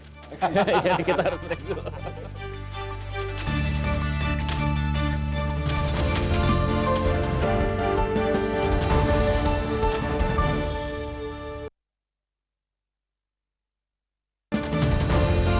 jadi kita harus berhenti dulu